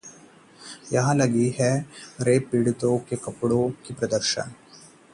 यहां लगी है रेप पीड़ितों के कपड़ों की प्रदर्शनी